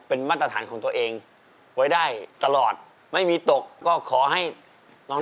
ขอบคุณขอบคุณทุกคน